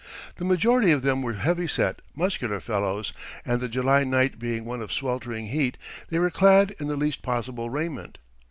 The majority of them were heavy set, muscular fellows, and the July night being one of sweltering heat, they were clad in the least possible raiment.